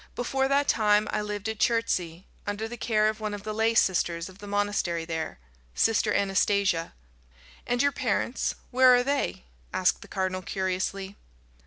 Before that time I lived at Chertsey, under the care of one of the lay sisters of the monastery there Sister Anastasia." "And your parents where are they?" asked the cardinal curiously.